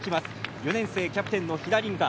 ４年生キャプテンの飛田凛香。